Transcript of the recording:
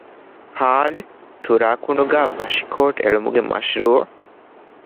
ހއ.ތުރާކުނުގައި ބަށިކޯޓް އެޅުމުގެ މަޝްރޫޢު